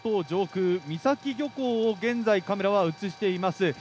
上空三崎漁港を現在、カメラは映しています。